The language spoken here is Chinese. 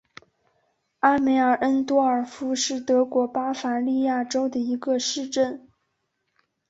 阿梅尔恩多尔夫是德国巴伐利亚州的一个市镇。